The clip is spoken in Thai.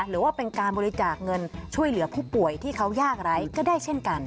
หรือว่าเป็นการบริจาคเงินช่วยเหลือผู้ป่วยที่เขายากไร้ก็ได้เช่นกัน